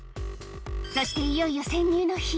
そしていよいよ潜入の日。